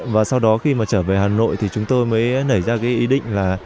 và sau đó khi mà trở về hà nội thì chúng tôi mới nảy ra cái ý định là